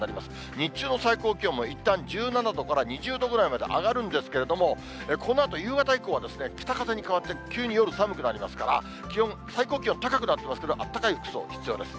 日中の最高気温もいったん１７度から２０度ぐらいまで上がるんですけれども、このあと、夕方以降は北風に変わって、急に夜、寒くなりますから、気温、最高気温、高くなってますけど、あったかい服装必要です。